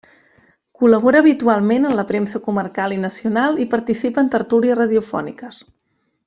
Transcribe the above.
Col·labora habitualment en la premsa comarcal i nacional i participa en tertúlies radiofòniques.